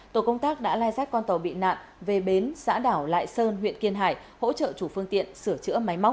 tổ công tác đã lai sát con tàu bị nạn về bến xã đảo lại sơn huyện kiên hải hỗ trợ chủ phương tiện sửa chữa máy móc